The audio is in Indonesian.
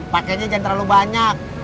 pakainya jangan terlalu banyak